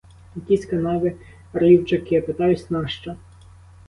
Якісь канави, рівчаки — питаюсь нащо?